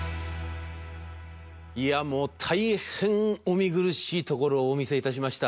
いやもう大変お見苦しいところをお見せ致しました。